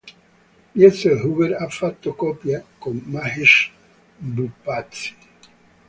Liezel Huber ha fatto coppia con Mahesh Bhupathi.